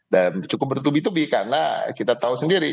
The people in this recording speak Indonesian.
dan cukup bertubi tubi karena kita tahu sendiri